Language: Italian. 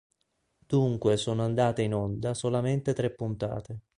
Dunque sono andate in onda solamente tre puntate.